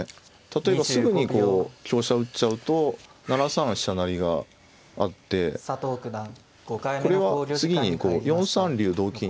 例えばすぐにこう香車打っちゃうと７三飛車成があってこれは次に４三竜同金